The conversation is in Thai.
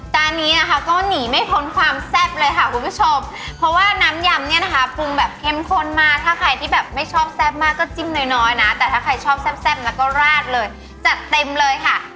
นี้นะคะก็หนีไม่พ้นความแซ่บเลยค่ะคุณผู้ชมเพราะว่าน้ำยำเนี่ยนะคะปรุงแบบเข้มข้นมากถ้าใครที่แบบไม่ชอบแซ่บมากก็จิ้มน้อยนะแต่ถ้าใครชอบแซ่บแล้วก็ราดเลยจัดเต็มเลยค่ะ